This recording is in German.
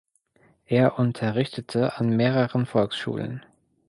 Er unterrichtete an mehreren Volksschulen.